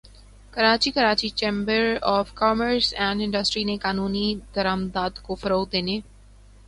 Karachi Karachi chamber of commerce and industry نے قانونی درآمدات کو فروغ دینے